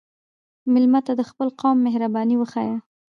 مېلمه ته د خپل قوم مهرباني وښیه.